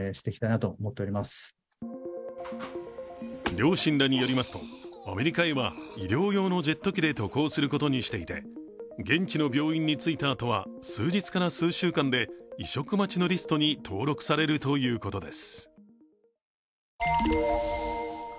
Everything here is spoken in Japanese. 両親らによりますとアメリカへは医療用のジェット機で渡航することにしていて現地の病院に着いたあとは数日から数週間で移植待ちのリストに登録されるということです。